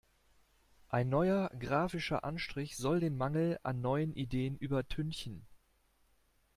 Ein neuer grafischer Anstrich soll den Mangel an neuen Ideen übertünchen.